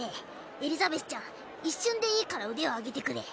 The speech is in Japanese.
エリザベスちゃん一瞬でいいから腕を上げてくれ。